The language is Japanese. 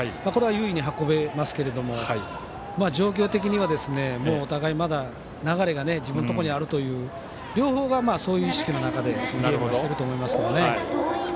優位に運べますけど状況的にはお互いまだ流れが自分のところにあるという両方がそういう意識の中でやっていると思いますね。